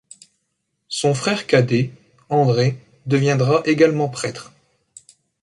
Son frère cadet, André, deviendra également prêtre.